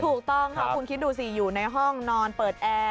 ถูกต้องค่ะคุณคิดดูสิอยู่ในห้องนอนเปิดแอร์